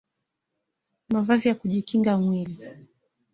mavazi ya kujikinga mwili